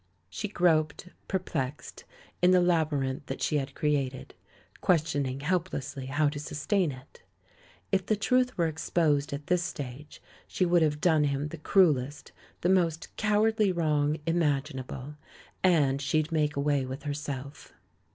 She groped, perplexed, in the labyrinth that she had created, questioning helplessly how to sustain it. If the truth were exposed at this stage she would have done him the cruellest, the most cowardly wrong imaginable, and she'd make away with herself!